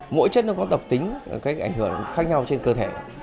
mỗi chất nó có độc tính cái ảnh hưởng khác nhau trên cơ thể